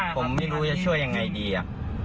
ผมไม่รู้จะช่วยยังไงดีอะ